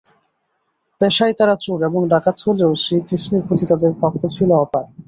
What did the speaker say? পেশায় তারা চোর এবং ডাকাত হলেও, শ্রীকৃষ্ণের প্রতি তাদের ভক্তি ছিলো অপার।